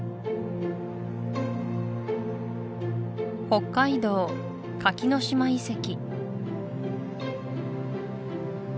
北海道垣ノ島遺跡